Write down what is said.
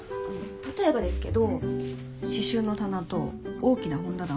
例えばですけど刺繍の棚と大きな本棚を２階に上げて。